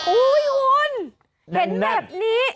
อุ้ยคุณเห็นแบบนี้